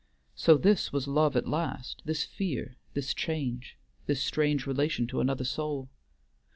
So this was love at last, this fear, this change, this strange relation to another soul.